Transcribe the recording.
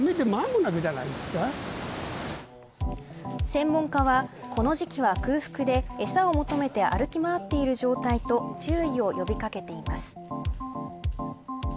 専門家は、この時期は空腹で餌を求めて歩き回っている状態と注意を呼び掛けています。